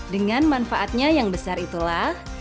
dengan manfaatnya yang besar itulah